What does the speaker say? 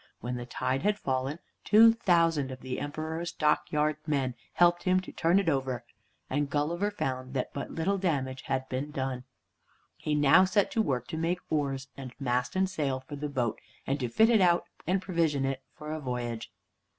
When the tide had fallen, two thousand of the Emperor's dockyard men helped him to turn it over, and Gulliver found that but little damage had been done. He now set to work to make oars and mast and sail for the boat, and to fit it out and provision it for a voyage.